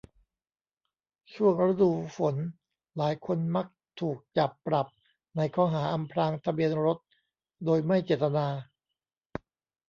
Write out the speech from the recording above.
ช่วงฤดูฝนหลายคนมักถูกจับปรับในข้อหา อำพรางทะเบียนรถโดยไม่เจตนา